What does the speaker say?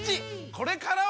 これからは！